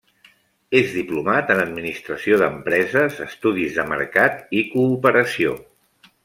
És diplomat en Administració d'empreses, Estudis de Mercat i Cooperació.